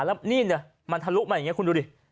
แล้วนี่เนี่ยมันทะลุมาอย่างนี้คุณดูดิ